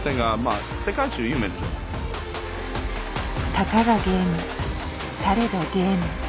たかがゲームされどゲーム。